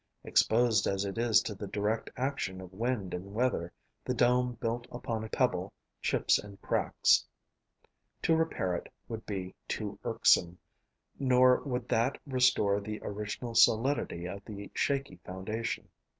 Exposed as it is to the direct action of wind and weather, the dome built upon a pebble chips and cracks. To repair it would be too irksome, nor would that restore the original solidity of the shaky foundation.